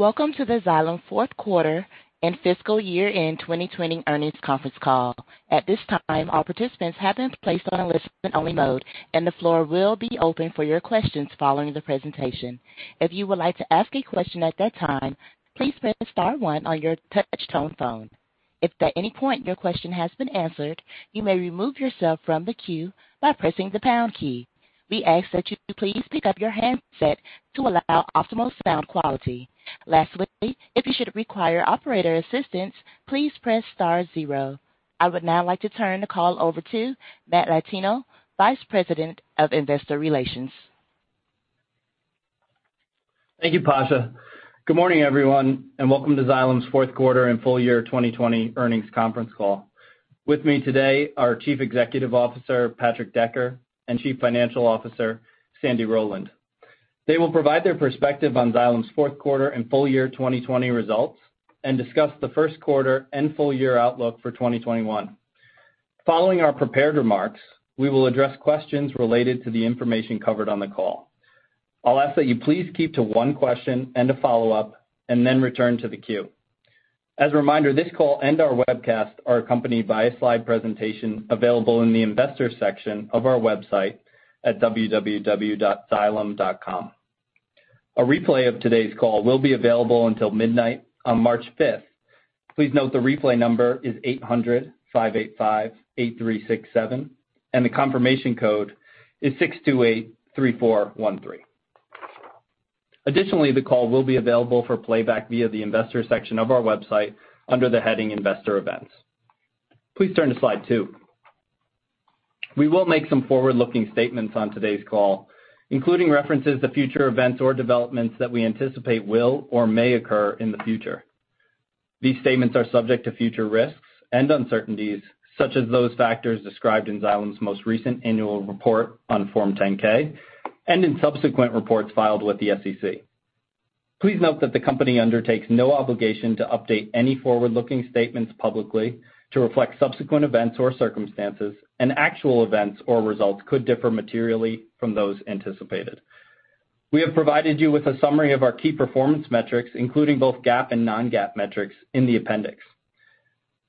Welcome to the Xylem fourth quarter and fiscal year-end 2020 earnings conference call. At this time, all participants have been placed on a listen-only mode. The floor will be open for your questions following the presentation. If you would like to ask a question at that time, please press star one on your Touch-Tone phone. If there any point your question has been answered, you may remove yourself from the queue by pressing the pound key. We ask that you please pick up your handset to allow optimal sound quality. Last but not least, if you require operator assistance, please press star zero. I would now like to turn the call over to Matt Latino, Vice President of Investor Relations. Thank you, Pasha. Good morning, everyone, and welcome to Xylem's fourth quarter and full year 2020 earnings conference call. With me today are Chief Executive Officer, Patrick Decker, and Chief Financial Officer, Sandy Rowland. They will provide their perspective on Xylem's fourth quarter and full year 2020 results and discuss the first quarter and full year outlook for 2021. Following our prepared remarks, we will address questions related to the information covered on the call. I'll ask that you please keep to one question and a follow-up, and then return to the queue. As a reminder, this call and our webcast are accompanied by a slide presentation available in the Investors section of our website at www.xylem.com. A replay of today's call will be available until midnight on March 5th. Please note the replay number is 800-585-8367, and the confirmation code is 6283413. Additionally, the call will be available for playback via the Investors section of our website under the heading Investor Events. Please turn to slide two. We will make some forward-looking statements on today's call, including references to future events or developments that we anticipate will or may occur in the future. These statements are subject to future risks and uncertainties, such as those factors described in Xylem's most recent annual report on Form 10-K and in subsequent reports filed with the SEC. Please note that the company undertakes no obligation to update any forward-looking statements publicly to reflect subsequent events or circumstances, and actual events or results could differ materially from those anticipated. We have provided you with a summary of our key performance metrics, including both GAAP and non-GAAP metrics in the appendix.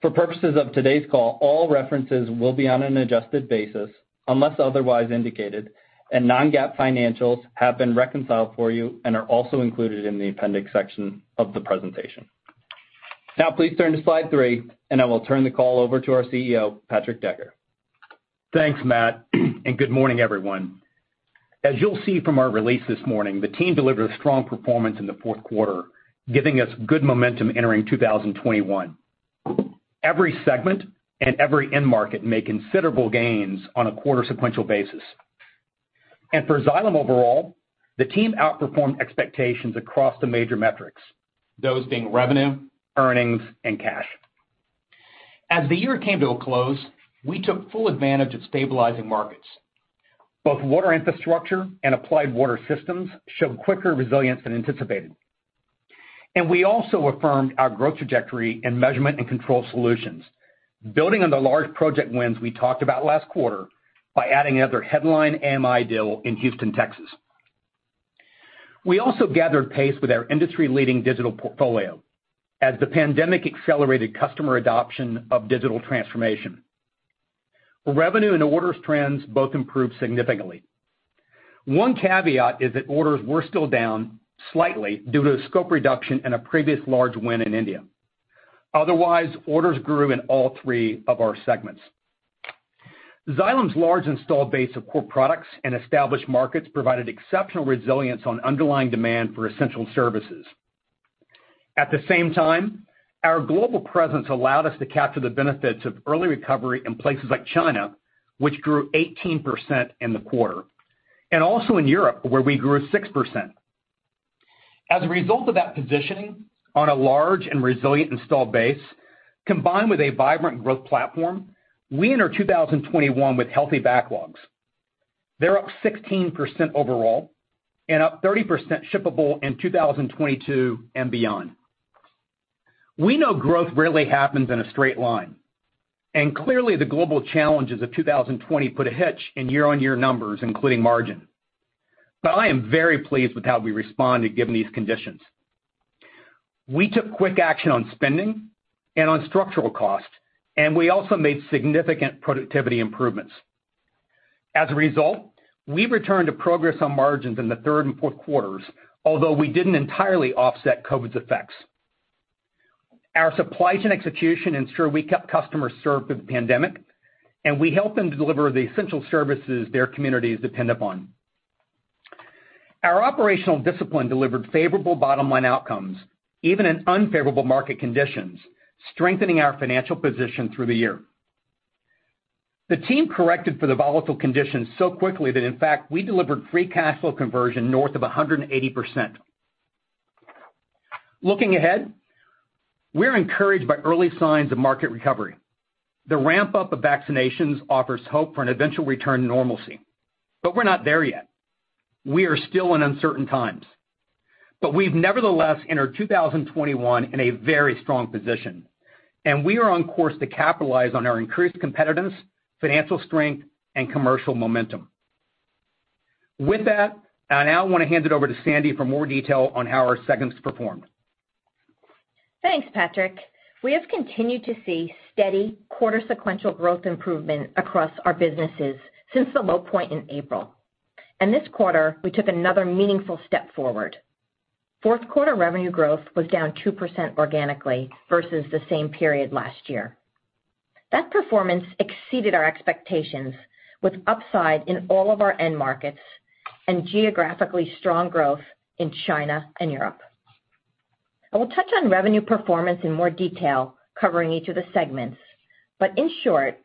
For purposes of today's call, all references will be on an adjusted basis unless otherwise indicated, and non-GAAP financials have been reconciled for you and are also included in the appendix section of the presentation. Now please turn to slide three, and I will turn the call over to our CEO, Patrick Decker. Thanks, Matt. Good morning, everyone. As you'll see from our release this morning, the team delivered a strong performance in the fourth quarter, giving us good momentum entering 2021. Every segment and every end market made considerable gains on a quarter sequential basis. For Xylem overall, the team outperformed expectations across the major metrics, those being revenue, earnings, and cash. As the year came to a close, we took full advantage of stabilizing markets. Both Water Infrastructure and Applied Water Systems showed quicker resilience than anticipated. We also affirmed our growth trajectory in Measurement & Control Solutions, building on the large project wins we talked about last quarter by adding another headline MI deal in Houston, Texas. We also gathered pace with our industry-leading digital portfolio as the pandemic accelerated customer adoption of digital transformation. Revenue and orders trends both improved significantly. One caveat is that orders were still down slightly due to a scope reduction in a previous large win in India. Otherwise, orders grew in all three of our segments. Xylem's large installed base of core products and established markets provided exceptional resilience on underlying demand for essential services. At the same time, our global presence allowed us to capture the benefits of early recovery in places like China, which grew 18% in the quarter, and also in Europe, where we grew 6%. A result of that positioning on a large and resilient installed base, combined with a vibrant growth platform, we enter 2021 with healthy backlogs. They're up 16% overall and up 30% shippable in 2022 and beyond. We know growth rarely happens in a straight line, clearly the global challenges of 2020 put a hitch in year-on-year numbers, including margin. I am very pleased with how we responded given these conditions. We took quick action on spending and on structural costs, and we also made significant productivity improvements. As a result, we returned to progress on margins in the third and fourth quarters, although we didn't entirely offset COVID's effects. Our supply chain execution ensured we kept customers served through the pandemic, and we helped them deliver the essential services their communities depend upon. Our operational discipline delivered favorable bottom-line outcomes, even in unfavorable market conditions, strengthening our financial position through the year. The team corrected for the volatile conditions so quickly that in fact, we delivered free cash flow conversion north of 180%. Looking ahead, we're encouraged by early signs of market recovery. The ramp-up of vaccinations offers hope for an eventual return to normalcy, we're not there yet. We are still in uncertain times. We've nevertheless entered 2021 in a very strong position, and we are on course to capitalize on our increased competitiveness, financial strength, and commercial momentum. With that, I now want to hand it over to Sandy for more detail on how our segments performed. Thanks, Patrick. We have continued to see steady quarter sequential growth improvement across our businesses since the low point in April. This quarter, we took another meaningful step forward. Fourth quarter revenue growth was down 2% organically versus the same period last year. That performance exceeded our expectations with upside in all of our end markets and geographically strong growth in China and Europe. I will touch on revenue performance in more detail covering each of the segments. In short,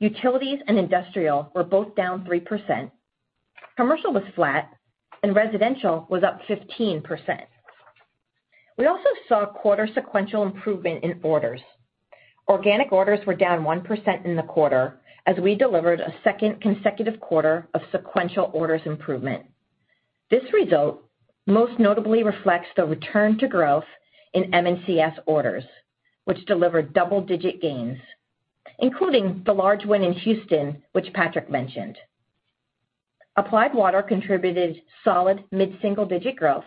utilities and industrial were both down 3%. Commercial was flat and residential was up 15%. We also saw quarter sequential improvement in orders. Organic orders were down 1% in the quarter as we delivered a second consecutive quarter of sequential orders improvement. This result most notably reflects the return to growth in M&CS orders, which delivered double-digit gains, including the large win in Houston, which Patrick mentioned. Applied Water contributed solid mid-single-digit growth,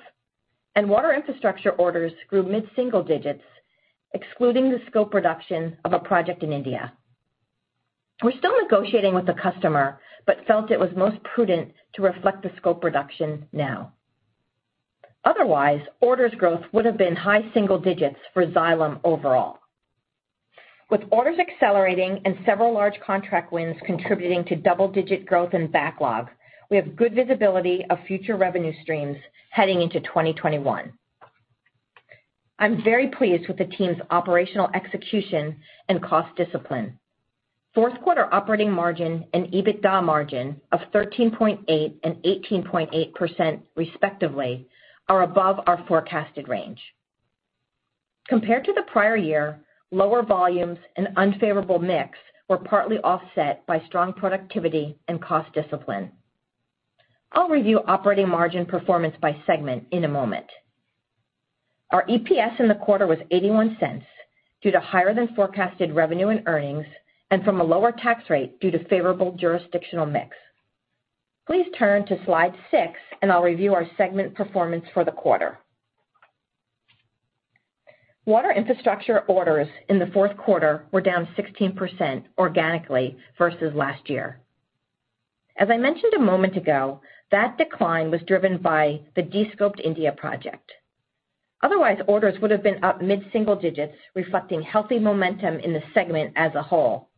and Water Infrastructure orders grew mid-single digits, excluding the scope reduction of a project in India. We're still negotiating with the customer but felt it was most prudent to reflect the scope reduction now. Otherwise, orders growth would've been high single digits for Xylem overall. With orders accelerating and several large contract wins contributing to double-digit growth and backlog, we have good visibility of future revenue streams heading into 2021. I'm very pleased with the team's operational execution and cost discipline. Fourth quarter operating margin and EBITDA margin of 13.8% and 18.8%, respectively, are above our forecasted range. Compared to the prior year, lower volumes and unfavorable mix were partly offset by strong productivity and cost discipline. I'll review operating margin performance by segment in a moment. Our EPS in the quarter was $0.81 due to higher than forecasted revenue and earnings and from a lower tax rate due to favorable jurisdictional mix. Please turn to slide six, and I'll review our segment performance for the quarter. Water Infrastructure orders in the fourth quarter were down 16% organically versus last year. As I mentioned a moment ago, that decline was driven by the de-scoped India project. Otherwise, orders would've been up mid-single digits, reflecting healthy momentum in the segment as a whole,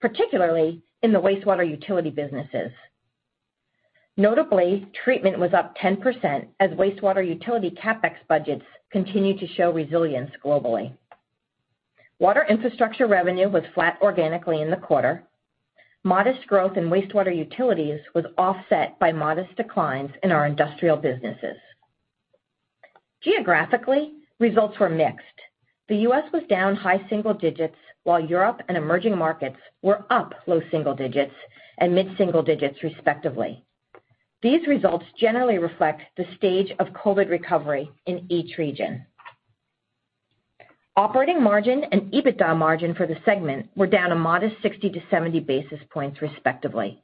particularly in the wastewater utility businesses. Notably, treatment was up 10% as wastewater utility CapEx budgets continued to show resilience globally. Water Infrastructure revenue was flat organically in the quarter. Modest growth in wastewater utilities was offset by modest declines in our industrial businesses. Geographically, results were mixed. The U.S. was down high single digits while Europe and emerging markets were up low single digits and mid-single digits respectively. These results generally reflect the stage of COVID recovery in each region. Operating margin and EBITDA margin for the segment were down a modest 60-70 basis points respectively.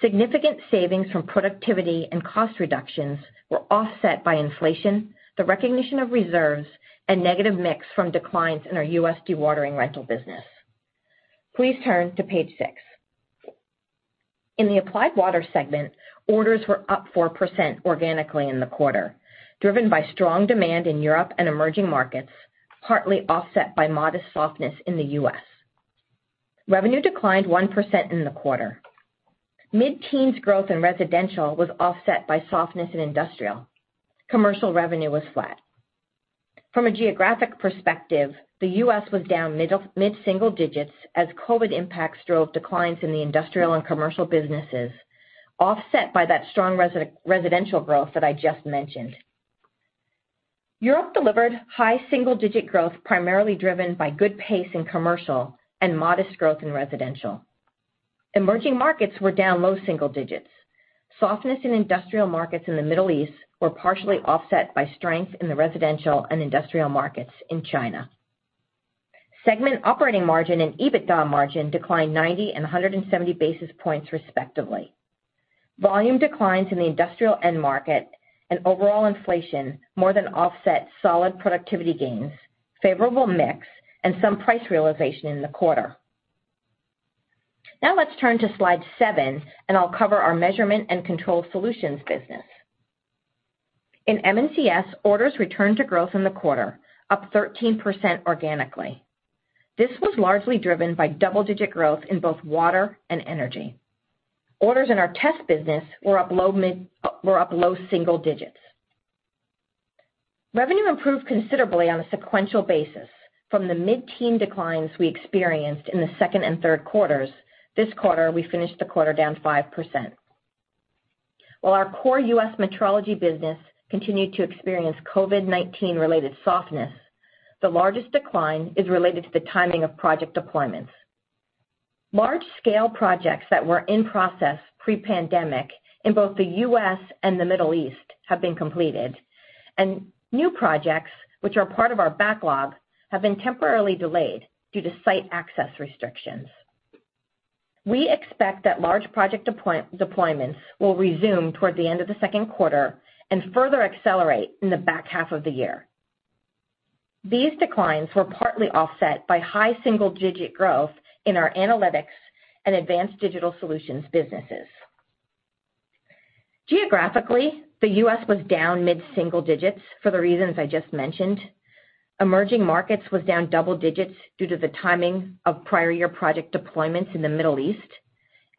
Significant savings from productivity and cost reductions were offset by inflation, the recognition of reserves, and negative mix from declines in our U.S. dewatering rental business. Please turn to page six. In the Applied Water segment, orders were up 4% organically in the quarter, driven by strong demand in Europe and emerging markets, partly offset by modest softness in the U.S. Revenue declined 1% in the quarter. Mid-teens growth in residential was offset by softness in industrial. Commercial revenue was flat. From a geographic perspective, the U.S. was down mid-single digits as COVID impacts drove declines in the industrial and commercial businesses, offset by that strong residential growth that I just mentioned. Europe delivered high single-digit growth, primarily driven by good pace in commercial and modest growth in residential. Emerging markets were down low single digits. Softness in industrial markets in the Middle East were partially offset by strength in the residential and industrial markets in China. Segment operating margin and EBITDA margin declined 90 and 170 basis points respectively. Volume declines in the industrial end market and overall inflation more than offset solid productivity gains, favorable mix, and some price realization in the quarter. Let's turn to slide seven, and I'll cover our Measurement & Control Solutions business. In M&CS, orders returned to growth in the quarter, up 13% organically. This was largely driven by double-digit growth in both water and energy. Orders in our test business were up low single digits. Revenue improved considerably on a sequential basis from the mid-teen declines we experienced in the second and third quarters. This quarter, we finished the quarter down 5%. While our core U.S. metrology business continued to experience COVID-19 related softness, the largest decline is related to the timing of project deployments. Large-scale projects that were in process pre-pandemic in both the U.S. and the Middle East have been completed, and new projects, which are part of our backlog have been temporarily delayed due to site access restrictions. We expect that large project deployments will resume toward the end of the second quarter and further accelerate in the back half of the year. These declines were partly offset by high single-digit growth in our analytics and advanced digital solutions businesses. Geographically, the U.S. was down mid-single digits for the reasons I just mentioned. Emerging markets was down double digits due to the timing of prior year project deployments in the Middle East.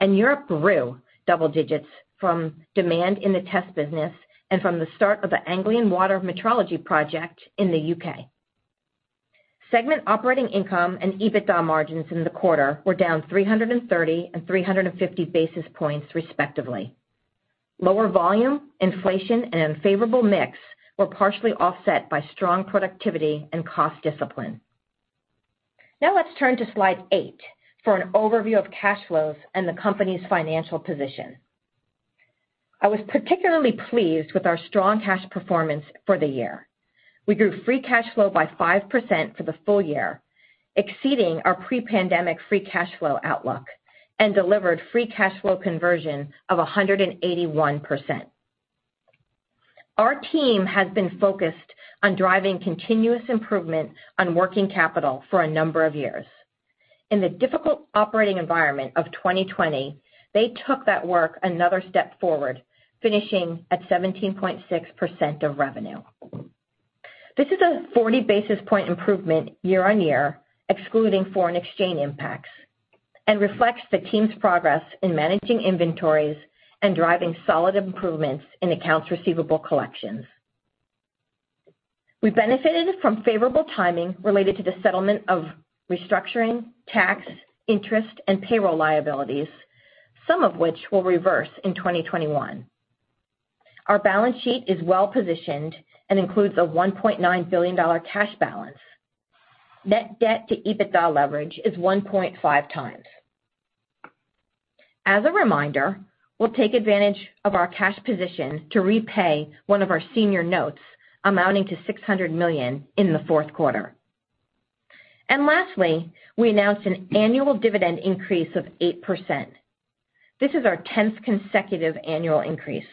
Europe grew double digits from demand in the test business and from the start of the Anglian Water metrology project in the U.K. Segment operating income and EBITDA margins in the quarter were down 330 and 350 basis points respectively. Lower volume, inflation, and unfavorable mix were partially offset by strong productivity and cost discipline. Let's turn to slide eight for an overview of cash flows and the company's financial position. I was particularly pleased with our strong cash performance for the year. We grew free cash flow by 5% for the full year, exceeding our pre-pandemic free cash flow outlook, and delivered free cash flow conversion of 181%. Our team has been focused on driving continuous improvement on working capital for a number of years. In the difficult operating environment of 2020, they took that work another step forward, finishing at 17.6% of revenue. This is a 40-basis point improvement year-on-year, excluding foreign exchange impacts, and reflects the team's progress in managing inventories and driving solid improvements in accounts receivable collections. We benefited from favorable timing related to the settlement of restructuring, tax, interest, and payroll liabilities, some of which will reverse in 2021. Our balance sheet is well-positioned and includes a $1.9 billion cash balance. Net debt to EBITDA leverage is 1.5x. As a reminder, we'll take advantage of our cash position to repay one of our senior notes amounting to $600 million in the fourth quarter. Lastly, we announced an annual dividend increase of 8%. This is our 10th consecutive annual increase.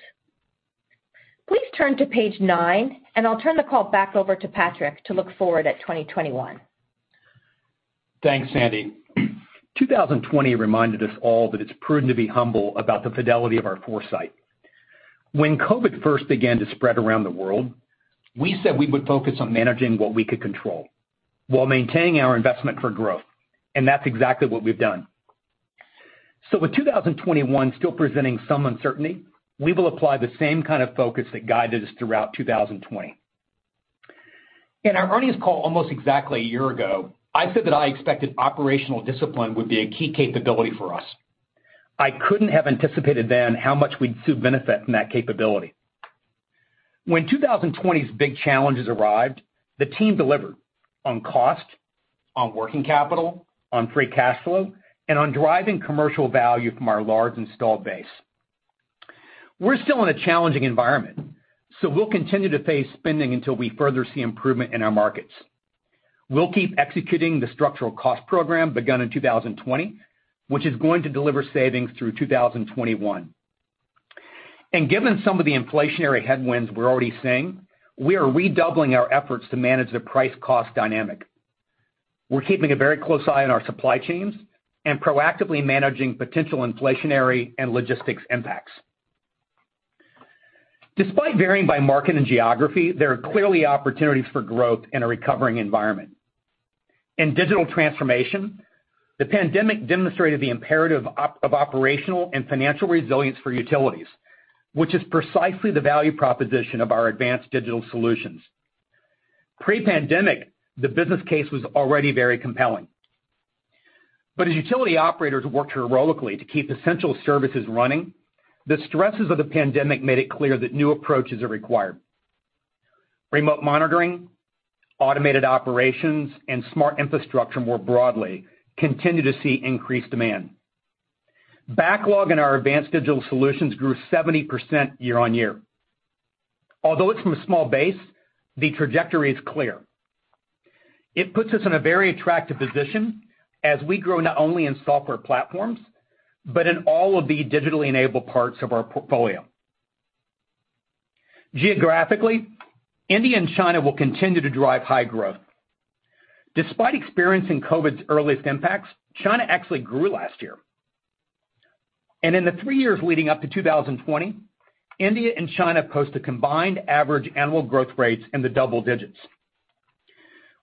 Please turn to page nine, and I'll turn the call back over to Patrick to look forward at 2021. Thanks, Sandy. 2020 reminded us all that it's prudent to be humble about the fidelity of our foresight. When COVID first began to spread around the world, we said we would focus on managing what we could control while maintaining our investment for growth, and that's exactly what we've done. With 2021 still presenting some uncertainty, we will apply the same kind of focus that guided us throughout 2020. In our earnings call almost exactly a year ago, I said that I expected operational discipline would be a key capability for us. I couldn't have anticipated then how much we'd soon benefit from that capability. When 2020's big challenges arrived, the team delivered on cost, on working capital, on free cash flow, and on driving commercial value from our large installed base. We're still in a challenging environment. We'll continue to pace spending until we further see improvement in our markets. We'll keep executing the structural cost program begun in 2020, which is going to deliver savings through 2021. Given some of the inflationary headwinds we're already seeing, we are redoubling our efforts to manage the price-cost dynamic. We're keeping a very close eye on our supply chains and proactively managing potential inflationary and logistics impacts. Despite varying by market and geography, there are clearly opportunities for growth in a recovering environment. In digital transformation, the pandemic demonstrated the imperative of operational and financial resilience for utilities, which is precisely the value proposition of our advanced digital solutions. Pre-pandemic, the business case was already very compelling. As utility operators worked heroically to keep essential services running, the stresses of the pandemic made it clear that new approaches are required. Remote monitoring, automated operations, and smart infrastructure more broadly continue to see increased demand. Backlog in our advanced digital solutions grew 70% year-on-year. Although it's from a small base, the trajectory is clear. It puts us in a very attractive position as we grow not only in software platforms, but in all of the digitally enabled parts of our portfolio. Geographically, India and China will continue to drive high growth. Despite experiencing COVID's earliest impacts, China actually grew last year. In the three years leading up to 2020, India and China posted combined average annual growth rates in the double digits.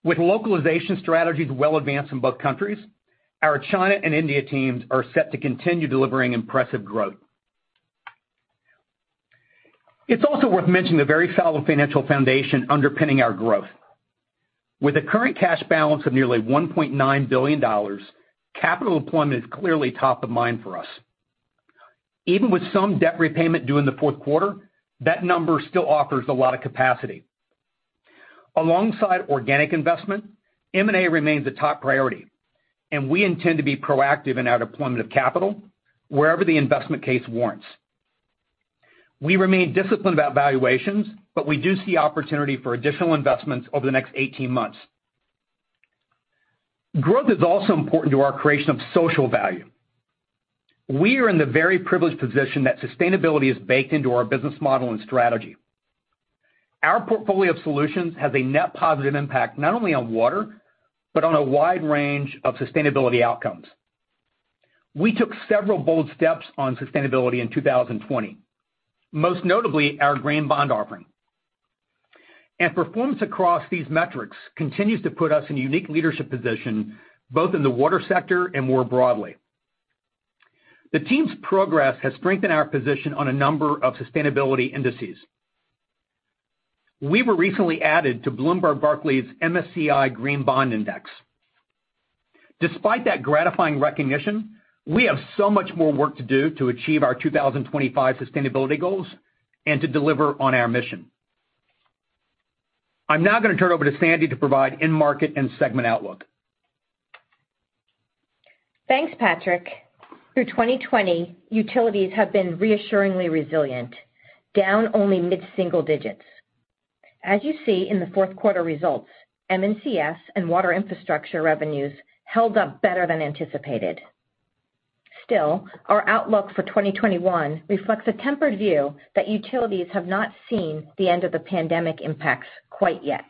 With localization strategies well advanced in both countries, our China and India teams are set to continue delivering impressive growth. It's also worth mentioning the very solid financial foundation underpinning our growth. With a current cash balance of $1.9 billion, capital deployment is clearly top of mind for us. Even with some debt repayment due in the fourth quarter, that number still offers a lot of capacity. Alongside organic investment, M&A remains a top priority, and we intend to be proactive in our deployment of capital wherever the investment case warrants. We remain disciplined about valuations, but we do see opportunity for additional investments over the next 18 months. Growth is also important to our creation of social value. We are in the very privileged position that sustainability is baked into our business model and strategy. Our portfolio of solutions has a net positive impact not only on water, but on a wide range of sustainability outcomes. We took several bold steps on sustainability in 2020, most notably our green bond offering. Performance across these metrics continues to put us in a unique leadership position both in the water sector and more broadly. The team's progress has strengthened our position on a number of sustainability indices. We were recently added to Bloomberg Barclays MSCI Green Bond Index. Despite that gratifying recognition, we have so much more work to do to achieve our 2025 sustainability goals and to deliver on our mission. I'm now going to turn over to Sandy to provide end market and segment outlook. Thanks, Patrick. Through 2020, utilities have been reassuringly resilient, down only mid-single digits. As you see in the fourth quarter results, M&CS and Water Infrastructure revenues held up better than anticipated. Our outlook for 2021 reflects a tempered view that utilities have not seen the end of the pandemic impacts quite yet.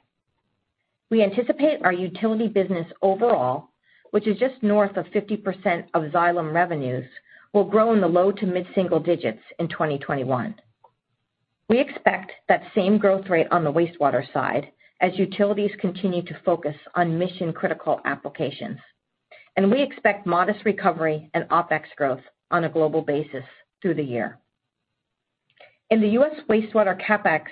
We anticipate our utility business overall, which is just north of 50% of Xylem revenues, will grow in the low to mid-single digits in 2021. We expect that same growth rate on the wastewater side as utilities continue to focus on mission-critical applications. We expect modest recovery and OpEx growth on a global basis through the year. In the U.S., wastewater CapEx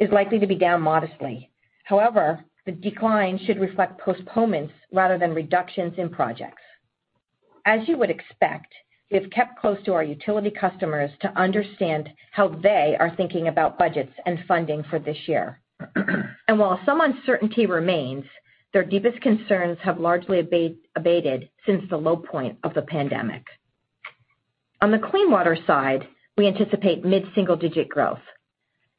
is likely to be down modestly. The decline should reflect postponements rather than reductions in projects. As you would expect, we have kept close to our utility customers to understand how they are thinking about budgets and funding for this year. While some uncertainty remains, their deepest concerns have largely abated since the low point of the pandemic. On the clean water side, we anticipate mid-single-digit growth.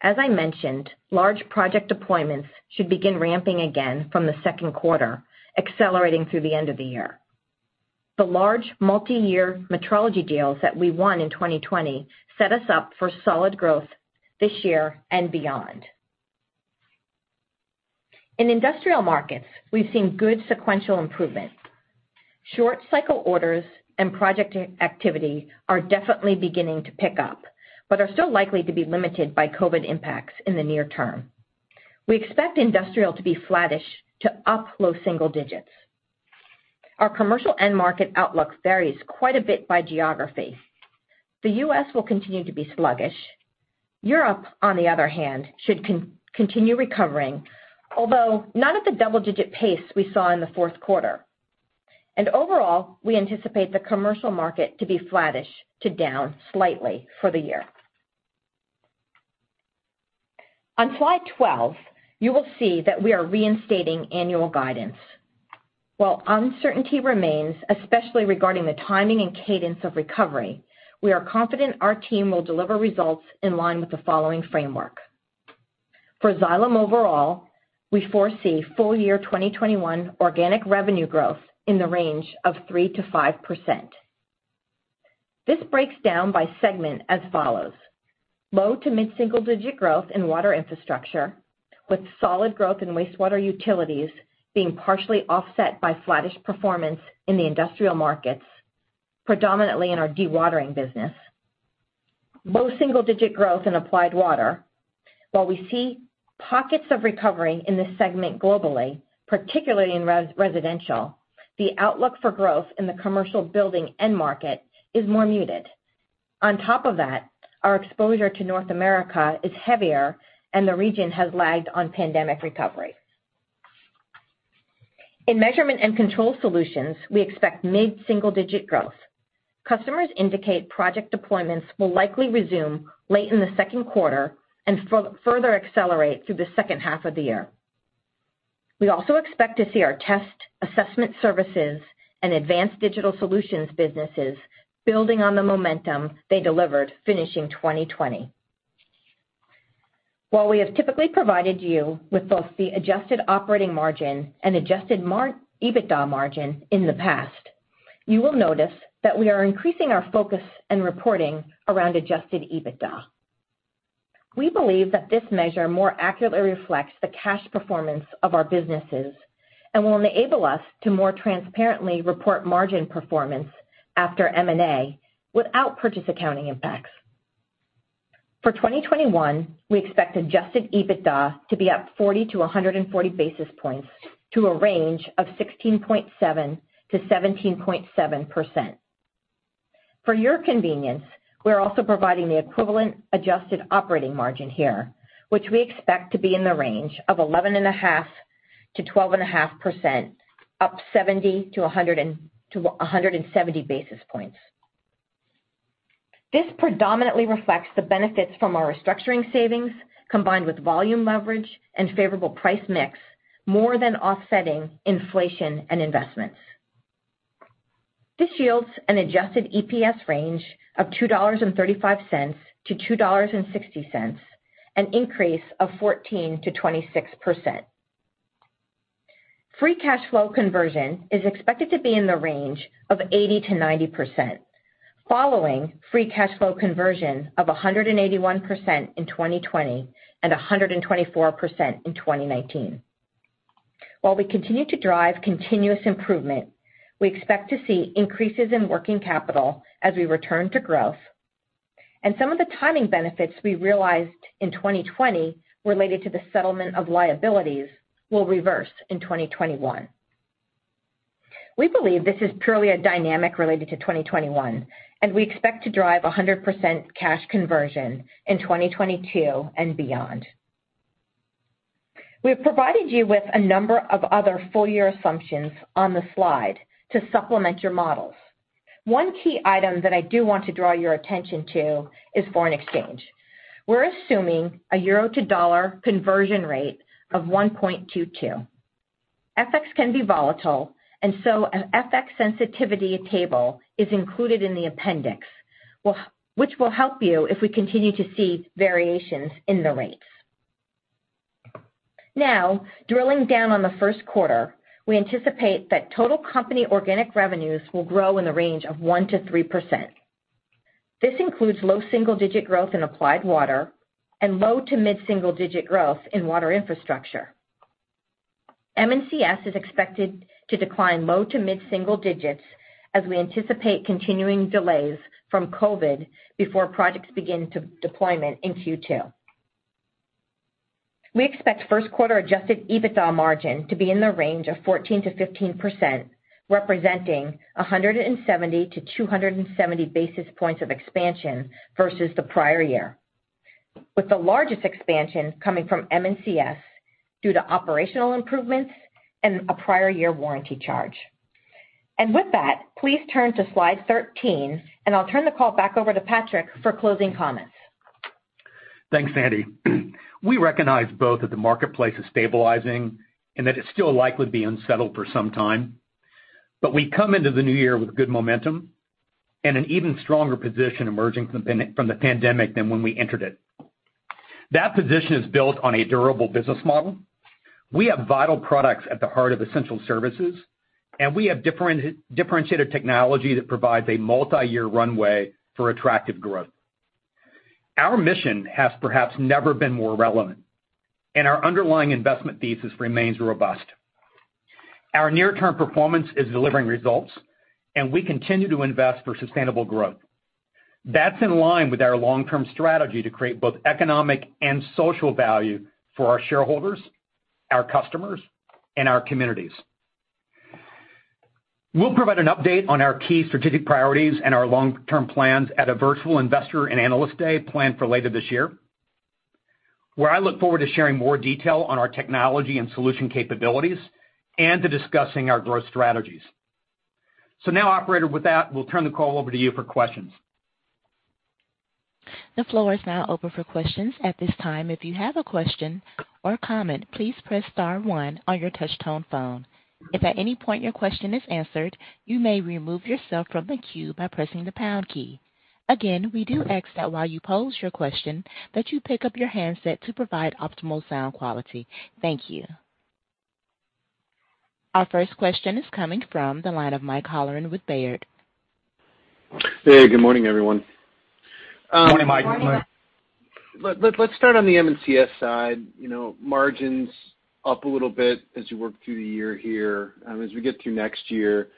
As I mentioned, large project deployments should begin ramping again from the second quarter, accelerating through the end of the year. The large multi-year metrology deals that we won in 2020 set us up for solid growth this year and beyond. In industrial markets, we've seen good sequential improvement. Short cycle orders and project activity are definitely beginning to pick up, but are still likely to be limited by COVID impacts in the near term. We expect industrial to be flattish to up low single digits. Our commercial end market outlook varies quite a bit by geography. The U.S. will continue to be sluggish. Europe, on the other hand, should continue recovering, although not at the double-digit pace we saw in the fourth quarter. Overall, we anticipate the commercial market to be flattish to down slightly for the year. On slide 12, you will see that we are reinstating annual guidance. While uncertainty remains, especially regarding the timing and cadence of recovery, we are confident our team will deliver results in line with the following framework. For Xylem overall, we foresee full-year 2021 organic revenue growth in the range of 3%-5%. This breaks down by segment as follows: low to mid-single-digit growth in Water Infrastructure, with solid growth in wastewater utilities being partially offset by flattish performance in the industrial markets, predominantly in our dewatering business. Low single-digit growth in Applied Water. While we see pockets of recovery in this segment globally, particularly in residential, the outlook for growth in the commercial building end market is more muted. On top of that, our exposure to North America is heavier, and the region has lagged on pandemic recovery. In Measurement & Control Solutions, we expect mid-single-digit growth. Customers indicate project deployments will likely resume late in the second quarter and further accelerate through the second half of the year. We also expect to see our test assessment services and advanced digital solutions businesses building on the momentum they delivered finishing 2020. While we have typically provided you with both the adjusted operating margin and adjusted EBITDA margin in the past, you will notice that we are increasing our focus and reporting around adjusted EBITDA. We believe that this measure more accurately reflects the cash performance of our businesses and will enable us to more transparently report margin performance after M&A without purchase accounting impacts. For 2021, we expect adjusted EBITDA to be up 40-140 basis points to a range of 16.7%-17.7%. For your convenience, we're also providing the equivalent adjusted operating margin here, which we expect to be in the range of 11.5%-12.5%, up 70-170 basis points. This predominantly reflects the benefits from our restructuring savings, combined with volume leverage and favorable price mix, more than offsetting inflation and investments. This yields an adjusted EPS range of $2.35-$2.60, an increase of 14%-26%. Free cash flow conversion is expected to be in the range of 80%-90%, following free cash flow conversion of 181% in 2020 and 124% in 2019. While we continue to drive continuous improvement, we expect to see increases in working capital as we return to growth, and some of the timing benefits we realized in 2020 related to the settlement of liabilities will reverse in 2021. We believe this is purely a dynamic related to 2021, and we expect to drive 100% cash conversion in 2022 and beyond. We have provided you with a number of other full-year assumptions on the slide to supplement your models. One key item that I do want to draw your attention to is foreign exchange. We're assuming a euro to dollar conversion rate of 1.22. FX can be volatile, and so an FX sensitivity table is included in the appendix, which will help you if we continue to see variations in the rates. Drilling down on the first quarter, we anticipate that total company organic revenues will grow in the range of 1%-3%. This includes low single-digit growth in Applied Water and low to mid single-digit growth in Water Infrastructure. M&CS is expected to decline low to mid single digits as we anticipate continuing delays from COVID before projects begin deployment in Q2. We expect first quarter adjusted EBITDA margin to be in the range of 14%-15%, representing 170-270 basis points of expansion versus the prior year, with the largest expansion coming from M&CS due to operational improvements and a prior year warranty charge. With that, please turn to slide 13, and I'll turn the call back over to Patrick for closing comments. Thanks, Sandy. We recognize both that the marketplace is stabilizing and that it's still likely to be unsettled for some time, but we come into the new year with good momentum and an even stronger position emerging from the pandemic than when we entered it. That position is built on a durable business model. We have vital products at the heart of essential services, and we have differentiated technology that provides a multiyear runway for attractive growth. Our mission has perhaps never been more relevant, and our underlying investment thesis remains robust. Our near-term performance is delivering results, and we continue to invest for sustainable growth. That's in line with our long-term strategy to create both economic and social value for our shareholders, our customers, and our communities. We'll provide an update on our key strategic priorities and our long-term plans at a virtual Investor and Analyst Day planned for later this year, where I look forward to sharing more detail on our technology and solution capabilities and to discussing our growth strategies. Now, operator, with that, we'll turn the call over to you for questions. The floor is now open for questions. At this time, if you have a question or comment, please press star one on your Touch-Tone phone. It at any point, your question has been answered, you may remove yourself from the queue by pressing the pound key. Again, we do ask while you post your question, that you pick up your handset to provide optimal sound quality. Thank you. Our first question is coming from the line of Mike Halloran with Baird. Hey, good morning, everyone. Good morning, Mike. Good morning. Let's start on the M&CS side. Margins up a little bit as you work through the year here. We get through next year,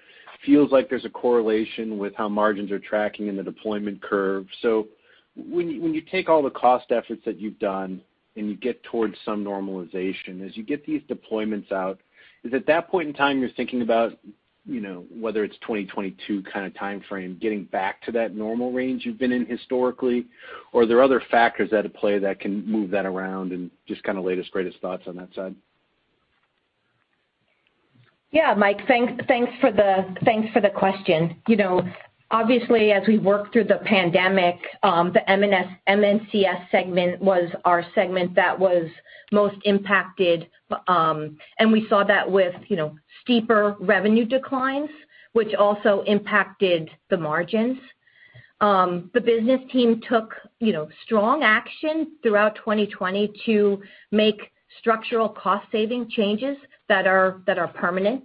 feels like there's a correlation with how margins are tracking in the deployment curve. When you take all the cost efforts that you've done and you get towards some normalization, as you get these deployments out, is it that point in time you're thinking about whether it's 2022 kind of timeframe, getting back to that normal range you've been in historically? Are there other factors at play that can move that around? Just kind of latest, greatest thoughts on that side? Yeah, Mike. Thanks for the question. Obviously, as we worked through the pandemic, the M&CS segment was our segment that was most impacted, and we saw that with steeper revenue declines, which also impacted the margins. The business team took strong action throughout 2020 to make structural cost-saving changes that are permanent.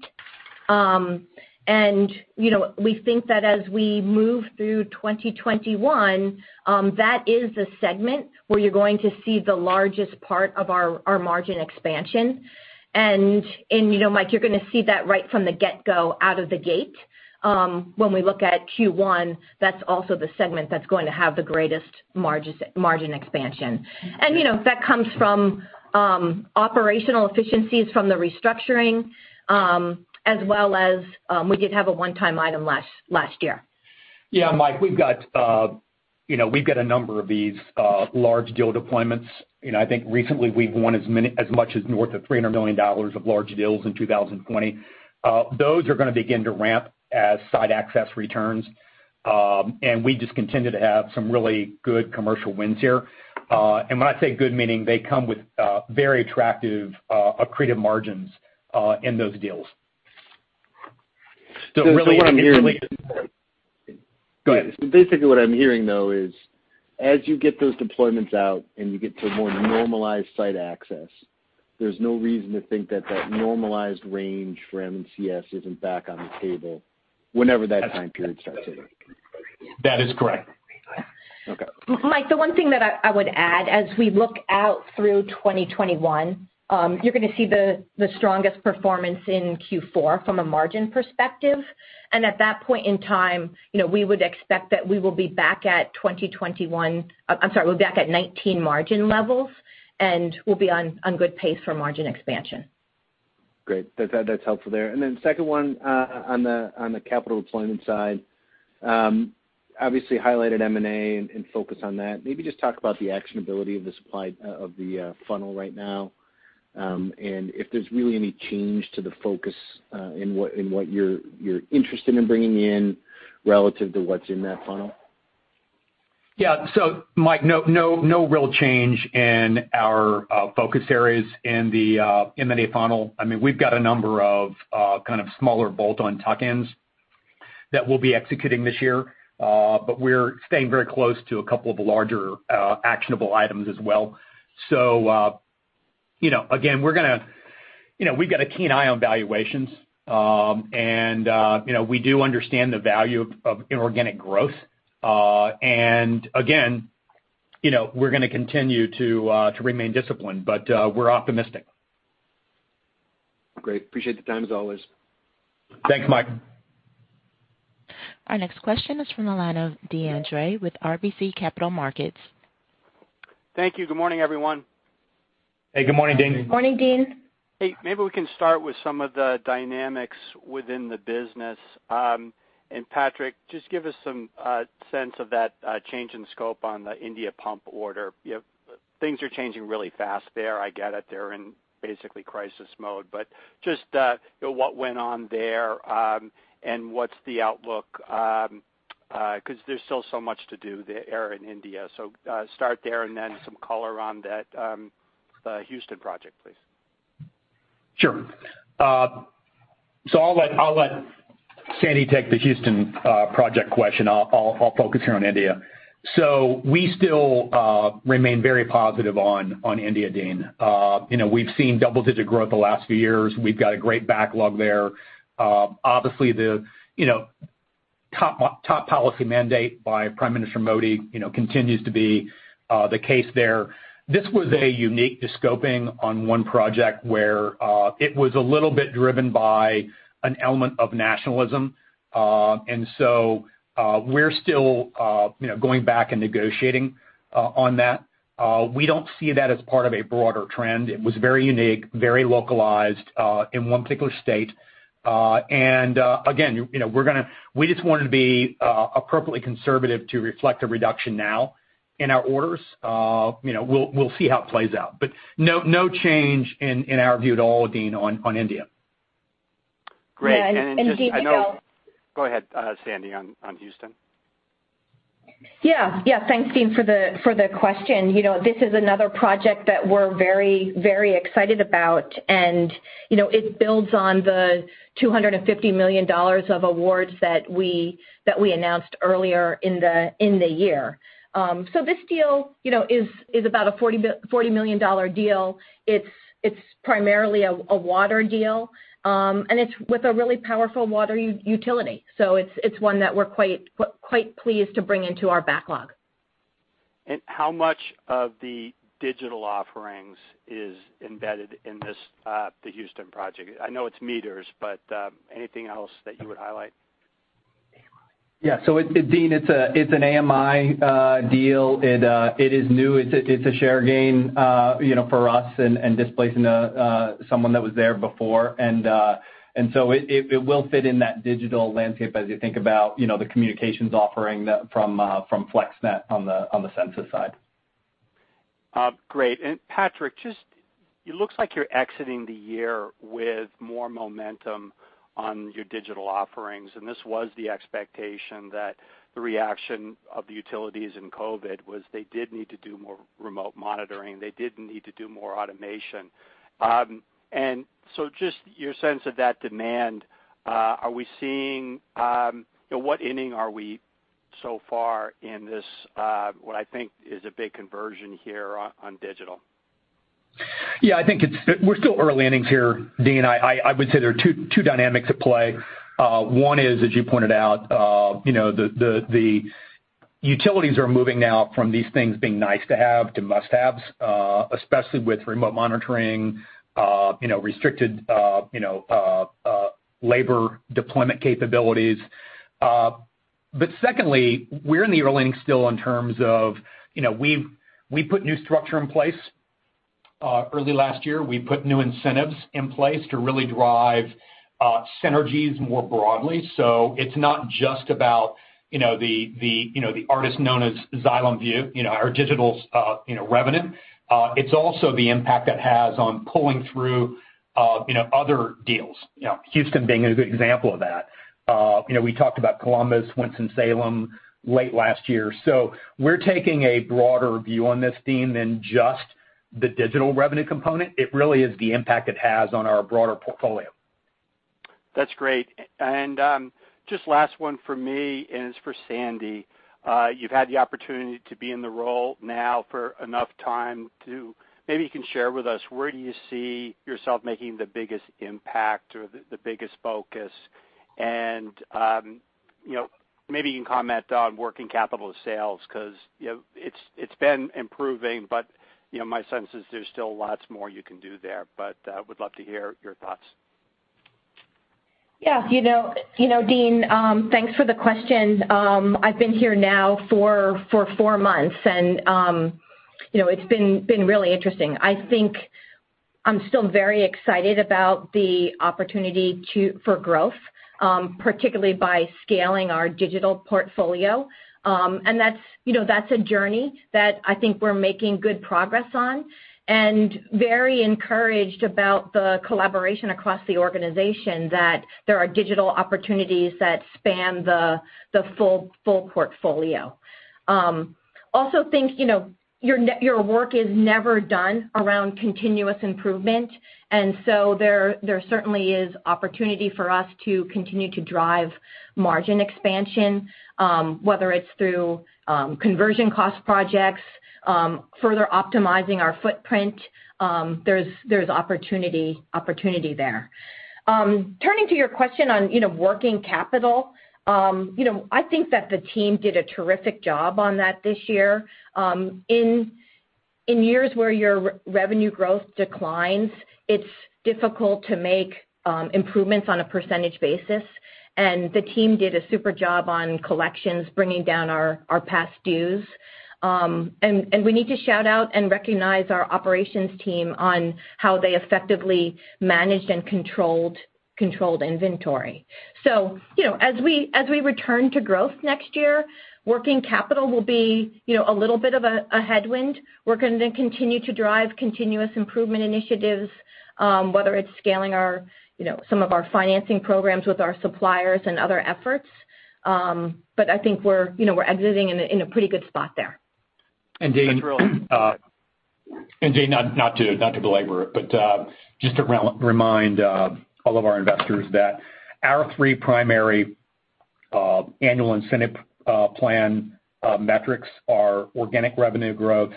We think that as we move through 2021, that is the segment where you're going to see the largest part of our margin expansion. Mike, you're going to see that right from the get-go out of the gate. When we look at Q1, that's also the segment that's going to have the greatest margin expansion. That comes from operational efficiencies from the restructuring, as well as we did have a one-time item last year. Yeah, Mike, we've got a number of these large deal deployments. I think recently we've won as much as north of $300 million of large deals in 2020. Those are going to begin to ramp as site access returns. We just continue to have some really good commercial wins here. When I say good, meaning they come with very attractive accretive margins in those deals. Basically what I'm hearing. Go ahead. Basically what I'm hearing, though, is as you get those deployments out and you get to a more normalized site access, there's no reason to think that that normalized range for MCS isn't back on the table whenever that time period starts, right? That is correct. Okay. Mike, the one thing that I would add, as we look out through 2021, you're going to see the strongest performance in Q4 from a margin perspective. At that point in time, we would expect that we will be back at 2019 margin levels, and we'll be on good pace for margin expansion. Great. That's helpful there. Second one, on the capital deployment side. Obviously highlighted M&A and focus on that. Maybe just talk about the actionability of the funnel right now, and if there's really any change to the focus in what you're interested in bringing in relative to what's in that funnel. Yeah. Mike, no real change in our focus areas in the M&A funnel. We've got a number of kind of smaller bolt-on tuck-ins that we'll be executing this year. We're staying very close to a couple of larger actionable items as well. Again, we've got a keen eye on valuations. We do understand the value of inorganic growth. Again, we're going to continue to remain disciplined, but we're optimistic. Great. Appreciate the time, as always. Thanks, Mike. Our next question is from the line of Deane Dray with RBC Capital Markets. Thank you. Good morning, everyone. Hey, good morning, Deane. Good morning, Deane. Hey, maybe we can start with some of the dynamics within the business. Patrick, just give us some sense of that change in scope on the India pump order. Things are changing really fast there. I get it. They're in basically crisis mode, but just what went on there, and what's the outlook? Because there's still so much to do there in India. Start there and then some color on that Houston project, please. Sure. I'll let Sandy take the Houston project question. I'll focus here on India. We still remain very positive on India, Deane. We've seen double-digit growth the last few years. We've got a great backlog there. Obviously the top policy mandate by Prime Minister Modi continues to be the case there. This was a unique de-scoping on one project where it was a little bit driven by an element of nationalism. We're still going back and negotiating on that. We don't see that as part of a broader trend. It was very unique, very localized in one particular state. Again, we just wanted to be appropriately conservative to reflect a reduction now in our orders. We'll see how it plays out, but no change in our view at all, Deane, on India. Great. Yeah, and Deane. Go ahead, Sandy, on Houston. Yeah. Thanks, Deane, for the question. This is another project that we're very excited about, and it builds on the $250 million of awards that we announced earlier in the year. This deal is about a $40 million deal. It's primarily a water deal, and it's with a really powerful water utility. It's one that we're quite pleased to bring into our backlog. How much of the digital offerings is embedded in the Houston project? I know it's meters, but anything else that you would highlight? Yeah. Deane, it's an AMI deal. It is new. It's a share gain for us and displacing someone that was there before. It will fit in that digital landscape as you think about the communications offering from FlexNet on the Sensus side. Great. Patrick, it looks like you're exiting the year with more momentum on your digital offerings, this was the expectation that the reaction of the utilities in COVID was they did need to do more remote monitoring. They did need to do more automation. Your sense of that demand, what inning are we so far in this, what I think is a big conversion here on digital? I think we're still early innings here, Deane. I would say there are two dynamics at play. One is, as you pointed out, the utilities are moving now from these things being nice to have to must-haves, especially with remote monitoring, restricted labor deployment capabilities. Secondly, we're in the early innings still in terms of we put new structure in place early last year. We put new incentives in place to really drive synergies more broadly. It's not just about the artist known as Xylem Vue, our digital revenue. It's also the impact it has on pulling through other deals. Houston being a good example of that. We talked about Columbus, Winston-Salem late last year. We're taking a broader view on this, Deane, than just The digital revenue component, it really is the impact it has on our broader portfolio. That's great. Just last one from me, and it's for Sandy. You've had the opportunity to be in the role now for enough time to maybe you can share with us where do you see yourself making the biggest impact or the biggest focus? Maybe you can comment on working capital sales, because it's been improving, but my sense is there's still lots more you can do there. Would love to hear your thoughts. Yeah. Deane, thanks for the question. I've been here now for four months and it's been really interesting. I think I'm still very excited about the opportunity for growth, particularly by scaling our digital portfolio. That's a journey that I think we're making good progress on, and very encouraged about the collaboration across the organization, that there are digital opportunities that span the full portfolio. Also think your work is never done around continuous improvement. There certainly is opportunity for us to continue to drive margin expansion, whether it's through conversion cost projects, further optimizing our footprint. There's opportunity there. Turning to your question on working capital. I think that the team did a terrific job on that this year. In years where your revenue growth declines, it's difficult to make improvements on a percentage basis. The team did a super job on collections, bringing down our past dues. We need to shout out and recognize our operations team on how they effectively managed and controlled inventory. As we return to growth next year, working capital will be a little bit of a headwind. We're going to continue to drive continuous improvement initiatives, whether it's scaling some of our financing programs with our suppliers and other efforts. I think we're exiting in a pretty good spot there. Deane, not to belabor it, but just to remind all of our investors that our three primary annual incentive plan metrics are organic revenue growth,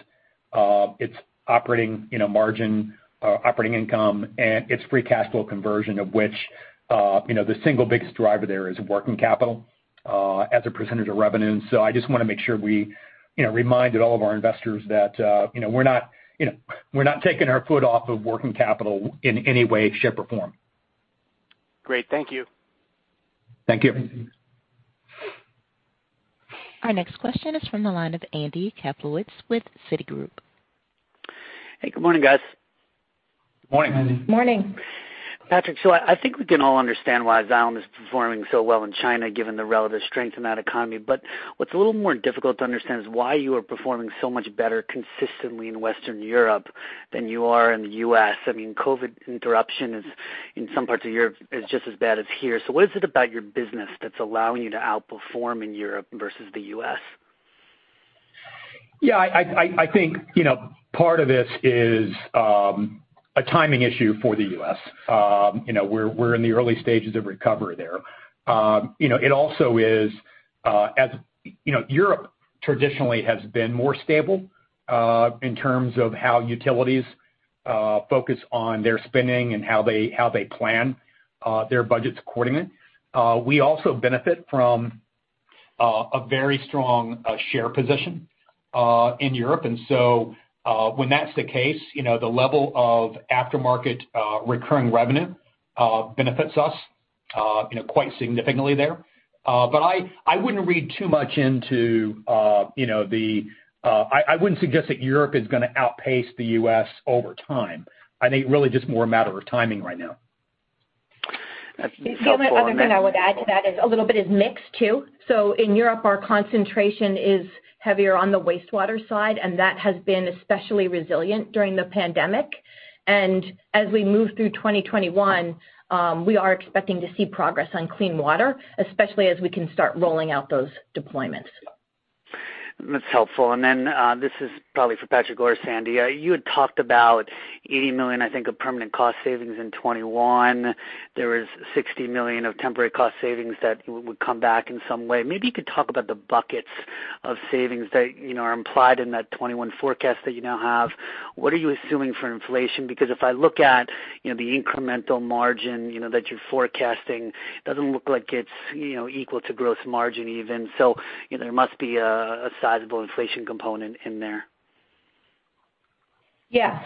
its operating margin, operating income, and its free cash flow conversion of which the single biggest driver there is working capital as a percentage of revenue. I just want to make sure we reminded all of our investors that we're not taking our foot off of working capital in any way, shape, or form. Great. Thank you. Thank you. Our next question is from the line of Andy Kaplowitz with Citigroup. Hey, good morning, guys. Morning. Morning. Patrick. I think we can all understand why Xylem is performing so well in China, given the relative strength in that economy. What's a little more difficult to understand is why you are performing so much better consistently in Western Europe than you are in the U.S. COVID interruption is, in some parts of Europe, is just as bad as here. What is it about your business that's allowing you to outperform in Europe versus the U.S.? I think part of this is a timing issue for the U.S. We're in the early stages of recovery there. It also is, Europe traditionally has been more stable in terms of how utilities focus on their spending and how they plan their budgets accordingly. We also benefit from a very strong share position in Europe. When that's the case, the level of aftermarket recurring revenue benefits us quite significantly there. I wouldn't suggest that Europe is going to outpace the U.S. over time. I think really just more a matter of timing right now. That's helpful. The only other thing I would add to that is a little bit is mix, too. In Europe, our concentration is heavier on the wastewater side, and that has been especially resilient during the pandemic. As we move through 2021, we are expecting to see progress on clean water, especially as we can start rolling out those deployments. That's helpful. Then this is probably for Patrick or Sandy. You had talked about $80 million, I think, of permanent cost savings in 2021. There was $60 million of temporary cost savings that would come back in some way. Maybe you could talk about the buckets of savings that are implied in that 2021 forecast that you now have. What are you assuming for inflation? If I look at the incremental margin that you're forecasting, it doesn't look like it's equal to gross margin even. There must be a sizable inflation component in there. Yeah.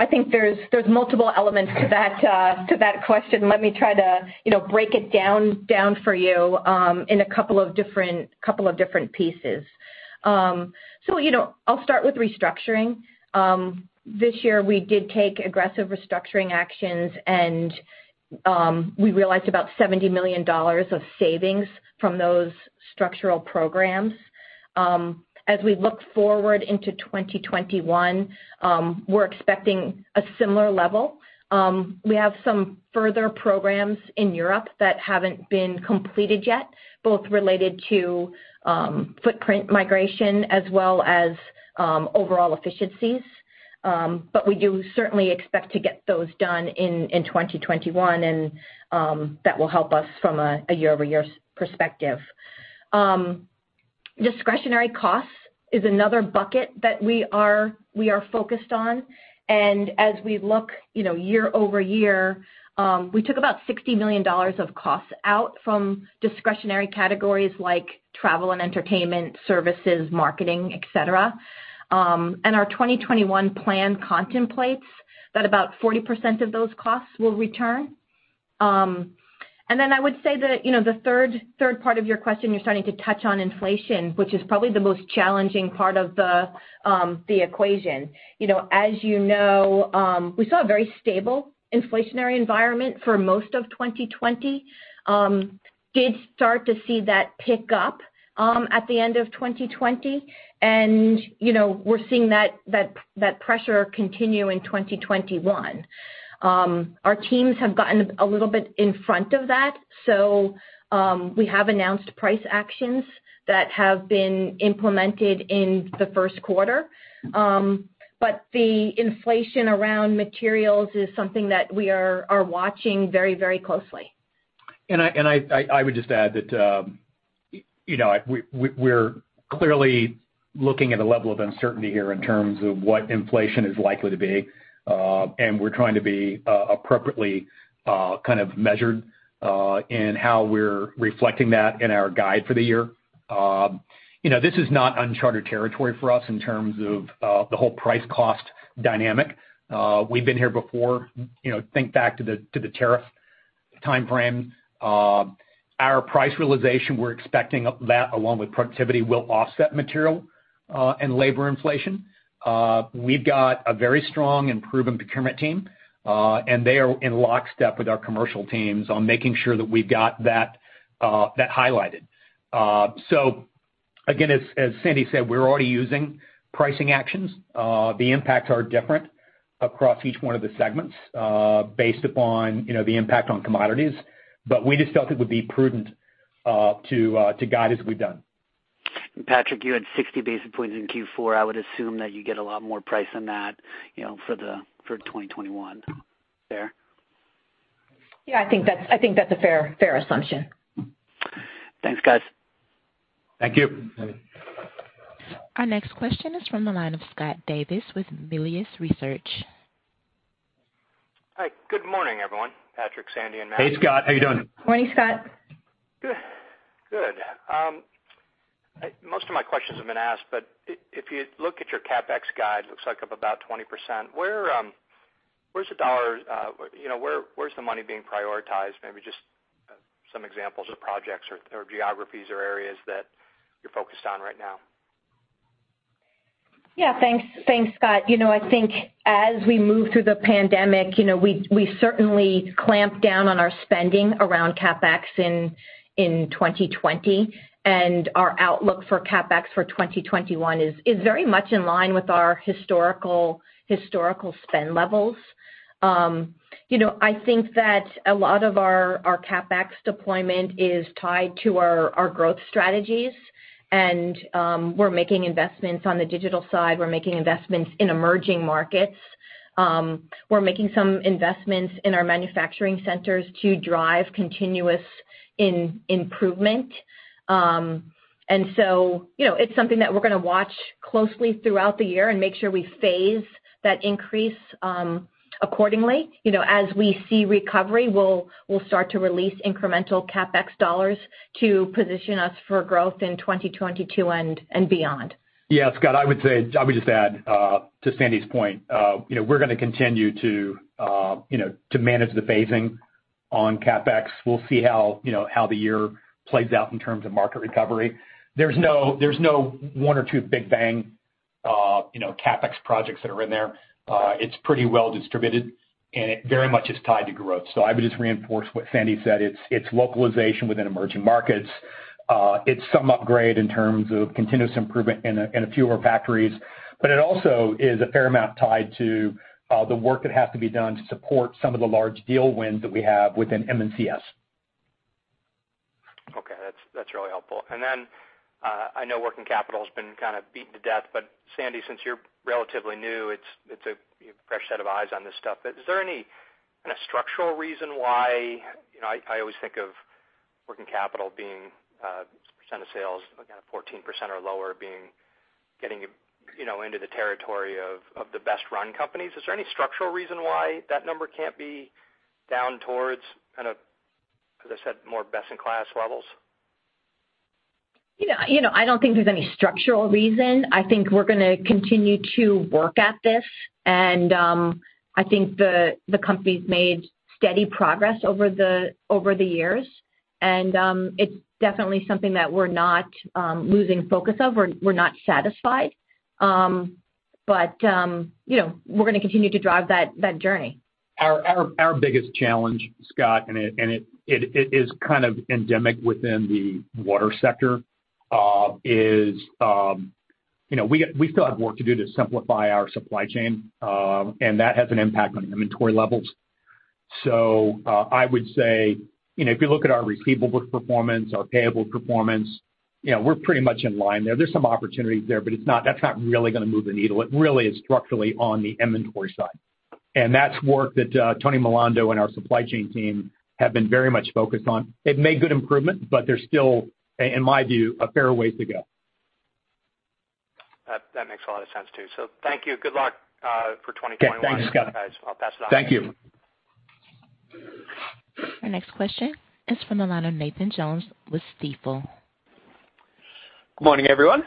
I think there's multiple elements to that question. Let me try to break it down for you in a couple of different pieces. I'll start with restructuring. This year we did take aggressive restructuring actions, and we realized about $70 million of savings from those structural programs. As we look forward into 2021, we're expecting a similar level. We have some further programs in Europe that haven't been completed yet, both related to footprint migration as well as overall efficiencies. We do certainly expect to get those done in 2021, and that will help us from a year-over-year perspective. Discretionary costs is another bucket that we are focused on. As we look year-over-year, we took about $60 million of costs out from discretionary categories like travel and entertainment services, marketing, et cetera. Our 2021 plan contemplates that about 40% of those costs will return. I would say that the third part of your question, you're starting to touch on inflation, which is probably the most challenging part of the equation. As you know, we saw a very stable inflationary environment for most of 2020. Did start to see that pick up at the end of 2020, and we're seeing that pressure continue in 2021. Our teams have gotten a little bit in front of that, so we have announced price actions that have been implemented in the first quarter. The inflation around materials is something that we are watching very closely. I would just add that we're clearly looking at a level of uncertainty here in terms of what inflation is likely to be. We're trying to be appropriately measured in how we're reflecting that in our guide for the year. This is not uncharted territory for us in terms of the whole price-cost dynamic. We've been here before. Think back to the tariff timeframe. Our price realization, we're expecting that, along with productivity, will offset material and labor inflation. We've got a very strong and proven procurement team. They are in lockstep with our commercial teams on making sure that we've got that highlighted. Again, as Sandy said, we're already using pricing actions. The impacts are different across each one of the segments based upon the impact on commodities. We just felt it would be prudent to guide as we've done. Patrick, you had 60 basis points in Q4. I would assume that you get a lot more price than that for 2021. Fair? Yeah, I think that's a fair assumption. Thanks, guys. Thank you. Our next question is from the line of Scott Davis with Melius Research. Hi, good morning, everyone. Patrick, Sandy, and Matt. Hey, Scott. How you doing? Morning, Scott. Good. Most of my questions have been asked. If you look at your CapEx guide, looks like up about 20%. Where's the money being prioritized? Maybe just some examples of projects or geographies or areas that you're focused on right now? Thanks, Scott. I think as we move through the pandemic, we certainly clamped down on our spending around CapEx in 2020. Our outlook for CapEx for 2021 is very much in line with our historical spend levels. I think that a lot of our CapEx deployment is tied to our growth strategies, and we're making investments on the digital side. We're making investments in emerging markets. We're making some investments in our manufacturing centers to drive continuous improvement. It's something that we're going to watch closely throughout the year and make sure we phase that increase accordingly. As we see recovery, we'll start to release incremental CapEx dollars to position us for growth in 2022 and beyond. Yeah, Scott, I would just add to Sandy's point. We're going to continue to manage the phasing on CapEx. We'll see how the year plays out in terms of market recovery. There's no one or two big bang CapEx projects that are in there. It's pretty well distributed, and it very much is tied to growth. I would just reinforce what Sandy said. It's localization within emerging markets. It's some upgrade in terms of continuous improvement in a few of our factories, but it also is a fair amount tied to the work that has to be done to support some of the large deal wins that we have within M&CS. Okay. That's really helpful. I know working capital's been kind of beaten to death, but Sandy, since you're relatively new, it's a fresh set of eyes on this stuff. Is there any kind of structural reason I always think of working capital being a percent of sales, again, 14% or lower, getting into the territory of the best run companies. Is there any structural reason why that number can't be down towards kind of, as I said, more best-in-class levels? I don't think there's any structural reason. I think we're going to continue to work at this, and I think the company's made steady progress over the years. It's definitely something that we're not losing focus of. We're not satisfied. We're going to continue to drive that journey. Our biggest challenge, Scott, and it is kind of endemic within the water sector, is we still have work to do to simplify our supply chain, and that has an impact on inventory levels. I would say, if you look at our receivables performance, our payables performance, we're pretty much in line there. There's some opportunities there, but that's not really going to move the needle. It really is structurally on the inventory side. That's work that Tony Milando and our supply chain team have been very much focused on. They've made good improvement, but there's still, in my view, a fair way to go. That makes a lot of sense, too. Thank you. Good luck for 2021. Okay. Thanks, Scott. I'll pass it on. Thank you. Our next question is from the line of Nathan Jones with Stifel. Good morning, everyone.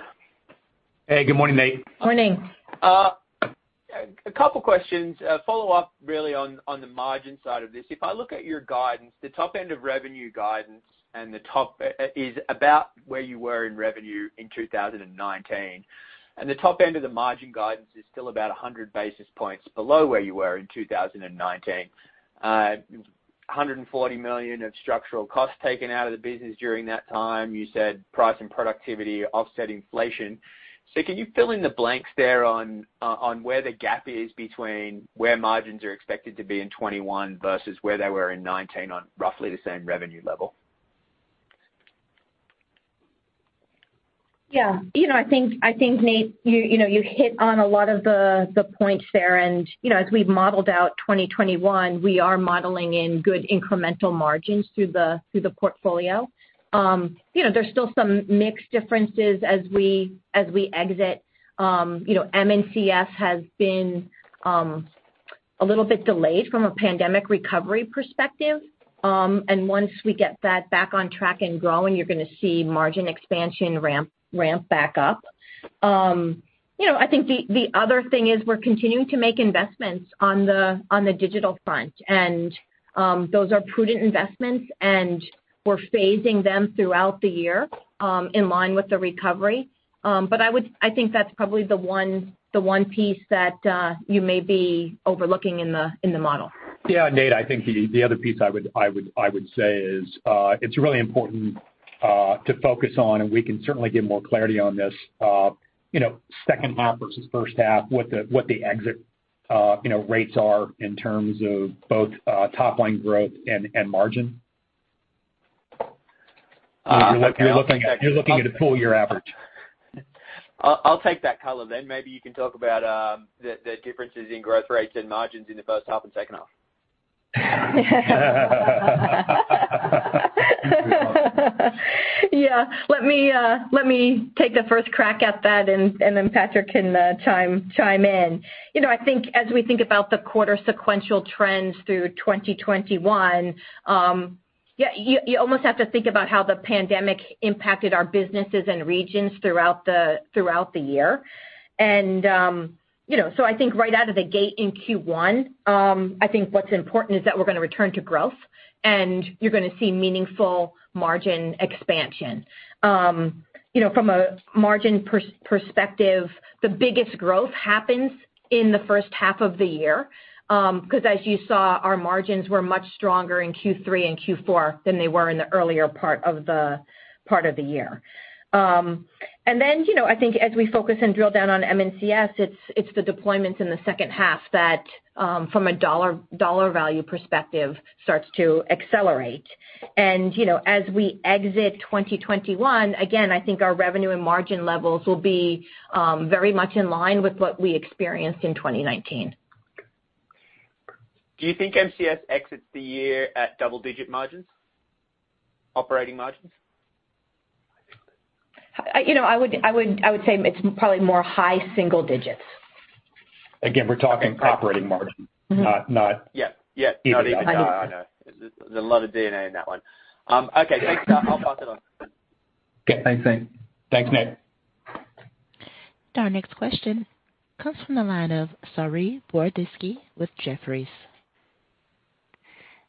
Hey, good morning, Nate. Morning. A couple questions. A follow-up, really, on the margin side of this. If I look at your guidance, the top end of revenue guidance is about where you were in revenue in 2019, and the top end of the margin guidance is still about 100 basis points below where you were in 2019. $140 million of structural costs taken out of the business during that time. You said price and productivity offset inflation. Can you fill in the blanks there on where the gap is between where margins are expected to be in 2021 versus where they were in 2019 on roughly the same revenue level? Yeah. I think, Nate, you hit on a lot of the points there. As we've modeled out 2021, we are modeling in good incremental margins through the portfolio. There's still some mix differences as we exit. M&CS has been a little bit delayed from a pandemic recovery perspective. Once we get that back on track and growing, you're going to see margin expansion ramp back up. I think the other thing is we're continuing to make investments on the digital front, and those are prudent investments, and we're phasing them throughout the year in line with the recovery. I think that's probably the one piece that you may be overlooking in the model. Yeah, Nate, I think the other piece I would say is it's really important to focus on, and we can certainly give more clarity on this, second half versus first half, what the exit rates are in terms of both top-line growth and margin. Okay. You're looking at a full-year average. I'll take that color then. Maybe you can talk about the differences in growth rates and margins in the first half and second half. Let me take the first crack at that, and then Patrick can chime in. I think as we think about the quarter sequential trends through 2021, you almost have to think about how the pandemic impacted our businesses and regions throughout the year. I think right out of the gate in Q1, I think what's important is that we're going to return to growth, and you're going to see meaningful margin expansion. From a margin perspective, the biggest growth happens in the first half of the year, because as you saw, our margins were much stronger in Q3 and Q4 than they were in the earlier part of the year. I think as we focus and drill down on M&CS, it's the deployments in the second half that, from a dollar value perspective, starts to accelerate. As we exit 2021, again, I think our revenue and margin levels will be very much in line with what we experienced in 2019. Do you think MCS exits the year at double-digit margins? Operating margins? I think that- I would say it's probably more high single digits. Again, we're talking operating margin. Not- Yeah. EBITDA. Not EBITDA, I know. There's a lot of D&A in that one. Okay, thanks. I'll pass it on. Okay, thanks, Nate. Thanks, Nate. Our next question comes from the line of Saree Boroditsky with Jefferies.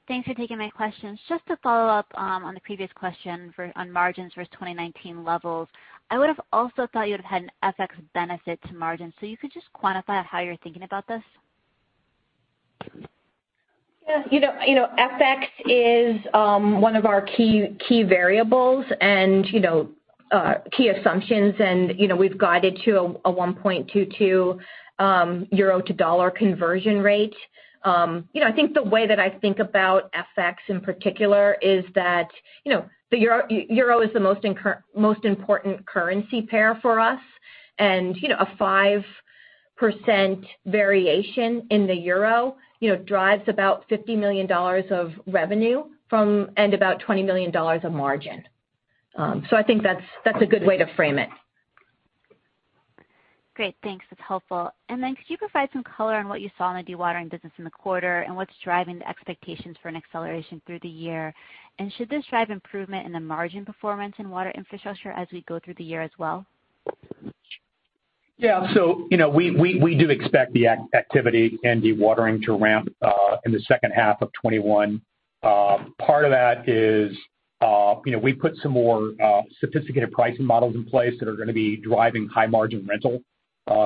Thanks for taking my questions. Just to follow up on the previous question on margins versus 2019 levels, I would've also thought you would've had an FX benefit to margins. You could just quantify how you're thinking about this? Yeah. FX is one of our key variables and key assumptions. We've guided to a 1.22 euro to dollar conversion rate. I think the way that I think about FX in particular is that the euro is the most important currency pair for us. A 5% variation in the euro drives about $50 million of revenue and about $20 million of margin. I think that's a good way to frame it. Great. Thanks. That's helpful. Could you provide some color on what you saw in the dewatering business in the quarter, and what's driving the expectations for an acceleration through the year? Should this drive improvement in the margin performance in Water Infrastructure as we go through the year as well? Yeah. We do expect the activity in dewatering to ramp in the second half of 2021. Part of that is we put some more sophisticated pricing models in place that are going to be driving high-margin rental,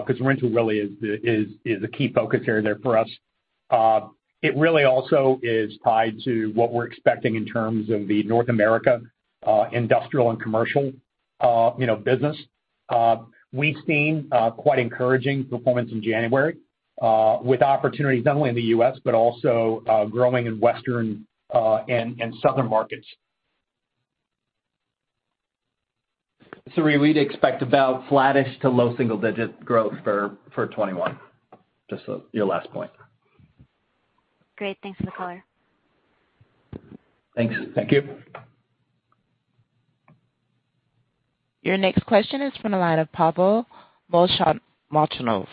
because rental really is a key focus area there for us. It really also is tied to what we're expecting in terms of the North America industrial and commercial business. We've seen quite encouraging performance in January with opportunities not only in the U.S., but also growing in Western and Southern markets. Saree, we'd expect about flattish to low single-digit growth for 2021. Just your last point. Great. Thanks for the color. Thanks. Thank you. Your next question is from the line of Pavel Molchanov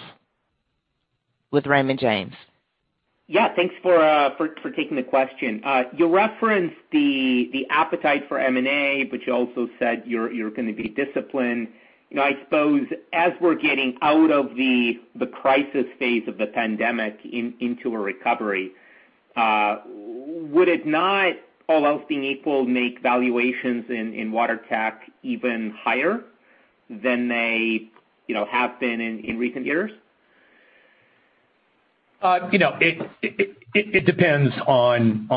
with Raymond James. Yeah, thanks for taking the question. You referenced the appetite for M&A, you also said you're going to be disciplined. I suppose as we're getting out of the crisis phase of the pandemic into a recovery, would it not, all else being equal, make valuations in water tech even higher than they have been in recent years? It depends on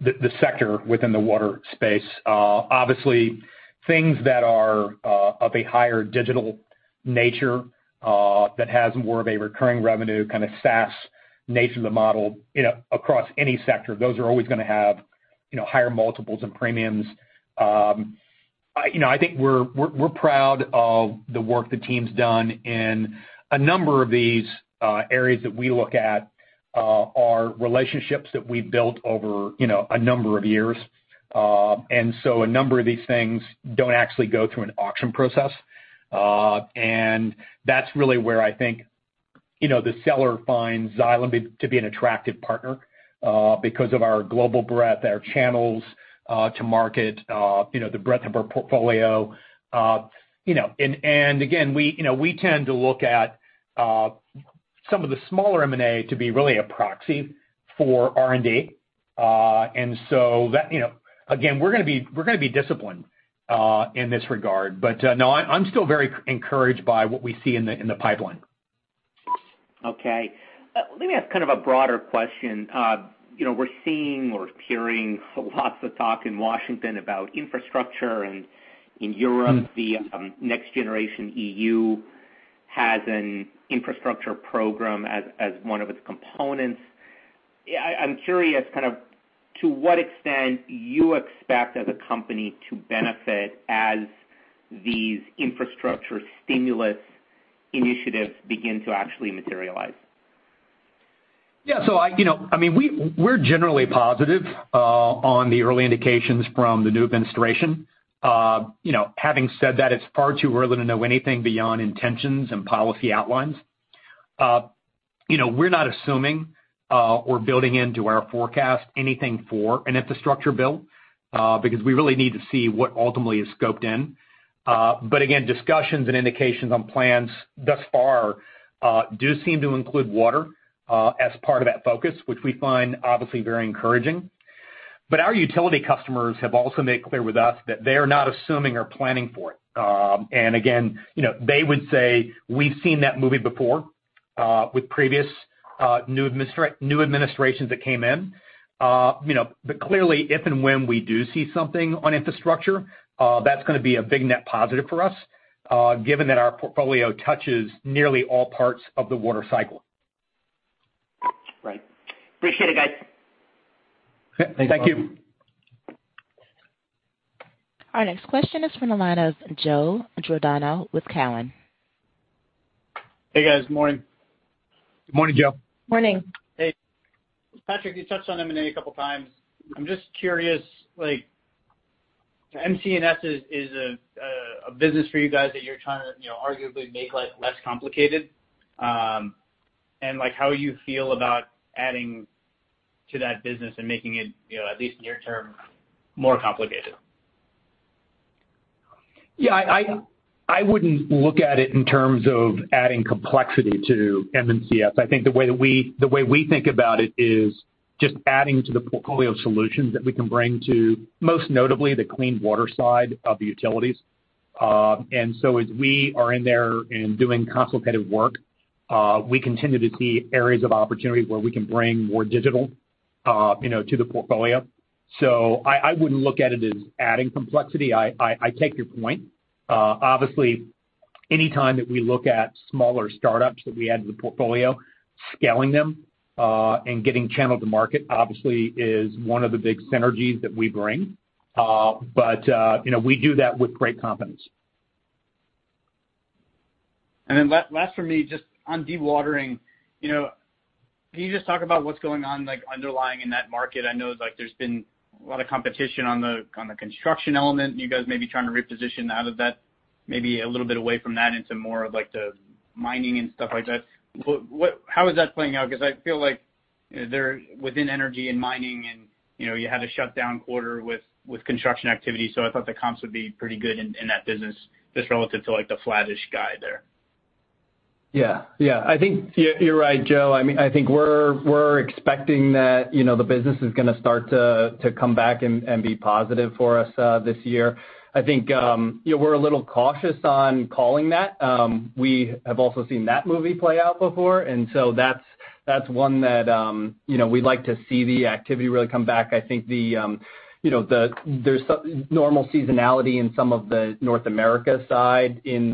the sector within the water space. Obviously, things that are of a higher digital nature, that has more of a recurring revenue, kind of SaaS nature of the model across any sector, those are always going to have higher multiples and premiums. I think we're proud of the work the team's done in a number of these areas that we look at are relationships that we've built over a number of years. A number of these things don't actually go through an auction process. That's really where I think the seller finds Xylem to be an attractive partner because of our global breadth, our channels to market, the breadth of our portfolio. Again, we tend to look at some of the smaller M&A to be really a proxy for R&D. Again, we're going to be disciplined in this regard. No, I'm still very encouraged by what we see in the pipeline. Okay. Let me ask kind of a broader question. We're seeing or hearing lots of talk in Washington about infrastructure, and in Europe the NextGenerationEU has an infrastructure program as one of its components. I'm curious to what extent you expect as a company to benefit as these infrastructure stimulus initiatives begin to actually materialize. Yeah. We're generally positive on the early indications from the new administration. Having said that, it's far too early to know anything beyond intentions and policy outlines. We're not assuming or building into our forecast anything for an infrastructure bill because we really need to see what ultimately is scoped in. Again, discussions and indications on plans thus far do seem to include water as part of that focus, which we find obviously very encouraging. Our utility customers have also made clear with us that they're not assuming or planning for it. Again, they would say, "We've seen that movie before with previous new administrations that came in." Clearly, if and when we do see something on infrastructure, that's going to be a big net positive for us given that our portfolio touches nearly all parts of the water cycle. Right. Appreciate it, guys. Okay. Thanks, Pavel. Thank you. Our next question is from the line of Joe Giordano with Cowen. Hey, guys. Morning. Morning, Joe. Morning. Hey. Patrick, you touched on M&A a couple times. I'm just curious, like MCS is a business for you guys that you're trying to arguably make less complicated and how you feel about adding to that business and making it, at least near term, more complicated. I wouldn't look at it in terms of adding complexity to M&CS. I think the way we think about it is just adding to the portfolio of solutions that we can bring to most notably the clean water side of the utilities. As we are in there and doing consultative work, we continue to see areas of opportunity where we can bring more digital to the portfolio. I wouldn't look at it as adding complexity. I take your point. Obviously, any time that we look at smaller startups that we add to the portfolio, scaling them and getting channel to market obviously is one of the big synergies that we bring. We do that with great confidence. Last from me, just on dewatering. Can you just talk about what's going on underlying in that market? I know there's been a lot of competition on the construction element, and you guys may be trying to reposition out of that, maybe a little bit away from that into more of the mining and stuff like that. How is that playing out? I feel like within energy and mining, you had a shut down quarter with construction activity, so I thought the comps would be pretty good in that business just relative to the flattish guide there. Yeah. I think you're right, Joe. I think we're expecting that the business is going to start to come back and be positive for us this year. I think we're a little cautious on calling that. We have also seen that movie play out before, and so that's one that we'd like to see the activity really come back. I think there's normal seasonality in some of the North America side in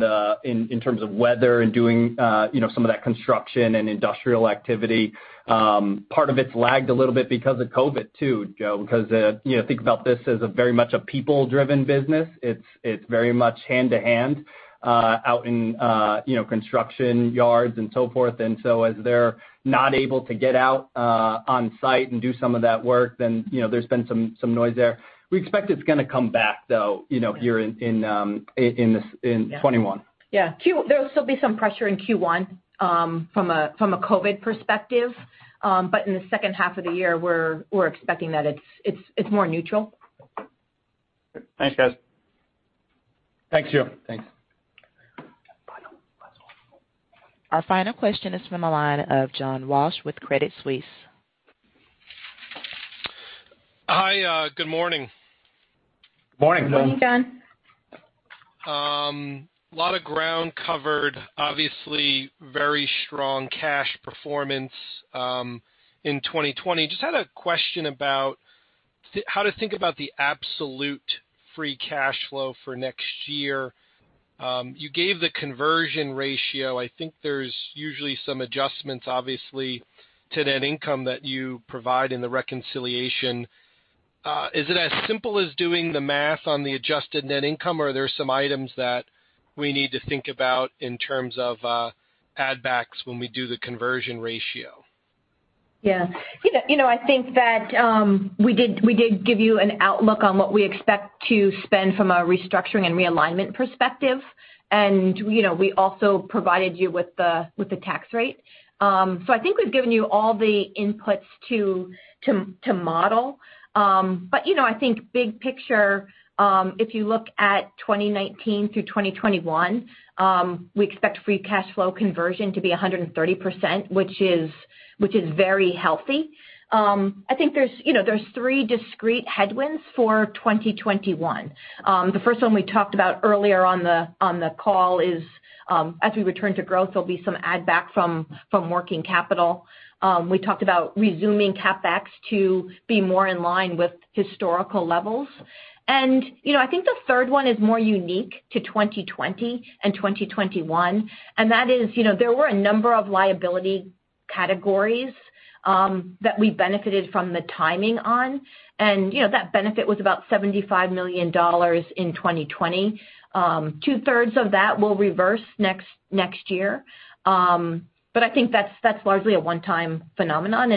terms of weather and doing some of that construction and industrial activity. Part of it's lagged a little bit because of COVID too, Joe, because think about this as a very much a people-driven business. It's very much hand-to-hand out in construction yards and so forth. As they're not able to get out on-site and do some of that work, then there's been some noise there. We expect it's going to come back, though, here in 2021. Yeah. There'll still be some pressure in Q1 from a COVID perspective. In the second half of the year, we're expecting that it's more neutral. Thanks, guys. Thanks, Joe. Thanks. Our final question is from the line of John Walsh with Credit Suisse. Hi, good morning. Morning, John. Morning, John. A lot of ground covered. Obviously, very strong cash performance in 2020. Just had a question about how to think about the absolute free cash flow for next year. You gave the conversion ratio. I think there's usually some adjustments, obviously, to net income that you provide in the reconciliation. Is it as simple as doing the math on the adjusted net income, or are there some items that we need to think about in terms of add-backs when we do the conversion ratio? Yeah. I think that we did give you an outlook on what we expect to spend from a restructuring and realignment perspective. We also provided you with the tax rate. I think we've given you all the inputs to model. I think big picture, if you look at 2019 through 2021, we expect free cash flow conversion to be 130%, which is very healthy. I think there's three discrete headwinds for 2021. The first one we talked about earlier on the call is, as we return to growth, there'll be some add-back from working capital. We talked about resuming CapEx to be more in line with historical levels. I think the third one is more unique to 2020 and 2021, and that is there were a number of liability categories that we benefited from the timing on, and that benefit was about $75 million in 2020. Two-thirds of that will reverse next year. I think that's largely a one-time phenomenon.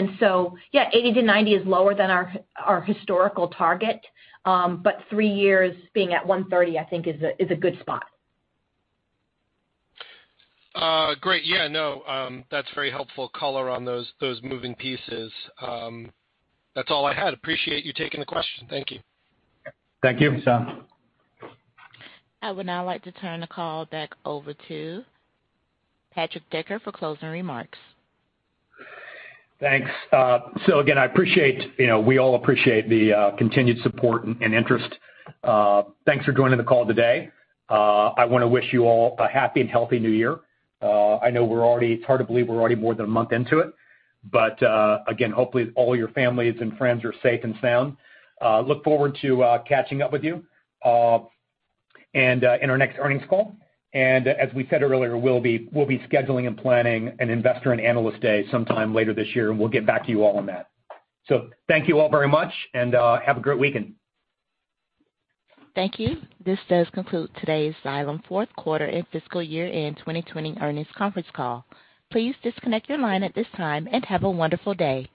Yeah, 80%-90% is lower than our historical target, but three years being at 130%, I think, is a good spot. Great. Yeah. No, that's very helpful color on those moving pieces. That's all I had. Appreciate you taking the question. Thank you. Thank you. I would now like to turn the call back over to Patrick Decker for closing remarks. Thanks. Again, we all appreciate the continued support and interest. Thanks for joining the call today. I want to wish you all a happy and healthy new year. I know it's hard to believe we're already more than a month into it. Again, hopefully all your families and friends are safe and sound. Look forward to catching up with you in our next earnings call. As we said earlier, we'll be scheduling and planning an Investor and Analyst Day sometime later this year, and we'll get back to you all on that. Thank you all very much, and have a great weekend. Thank you. This does conclude today's Xylem fourth quarter and fiscal year end 2020 earnings conference call. Please disconnect your line at this time, and have a wonderful day.